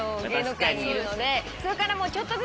それから。